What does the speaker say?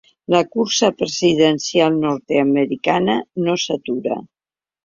La cursa presidencial nord-americana no s’atura.